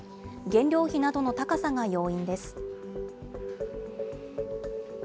原料費などの高さが要因です。